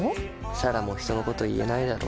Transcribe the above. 彩良も人のこと言えないだろ。